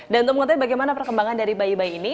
dan untuk mengontrol bagaimana perkembangan dari bayi bayi ini